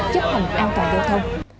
chấp hành an toàn giao thông